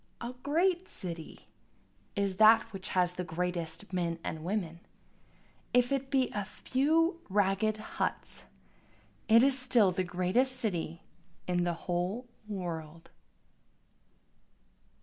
A great city is that which has the greatest men and women, If it be a few ragged huts it is still the greatest city in the whole world.